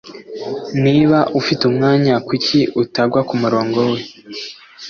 Niba ufite umwanya kuki utagwa kumurongo we